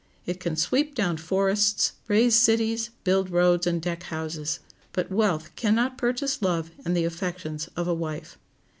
It can sweep down forests, raise cities, build roads, and deck houses; but wealth can not purchase love and the affections of a wife.